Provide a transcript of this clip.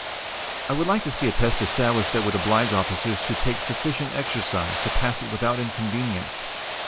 "I would like to see a test established that would oblige officers to take sufficient exercise to pass it without inconvenience.